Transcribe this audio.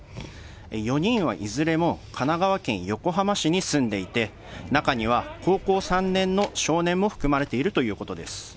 ４人はいずれも神奈川県横浜市に住んでいて、中には高校３年の少年も含まれているということです。